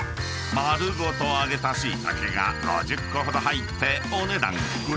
［丸ごと揚げたシイタケが５０個ほど入ってお値段］